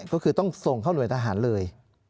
ก็คือต้องส่งเข้าหน่วยทหารเลย